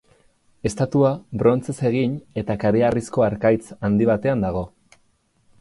Estatua brontzez egin eta kareharrizko harkaitz handi batean dago.